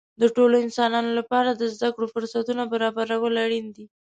د ټولو انسانانو لپاره د زده کړې فرصتونه برابرول اړین دي.